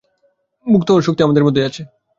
মুক্ত হওয়ার শক্তি আমাদের মধ্যেই আছে।